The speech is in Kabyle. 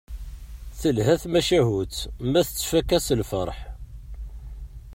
Telha tmacahut ma tettfakka s lferḥ.